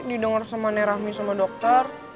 didengar sama nek rahmi sama dokter